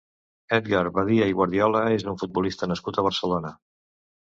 Édgar Badia i Guardiola és un futbolista nascut a Barcelona.